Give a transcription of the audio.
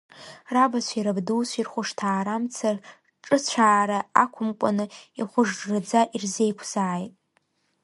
Рабацәеи рабдуцәеи рхәышҭаарамца, ҿыцәаара ақәымкәаны, ихәыжжаӡа ирзеиқәзааит!